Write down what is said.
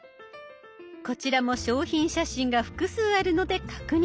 こちらも商品写真が複数あるので確認。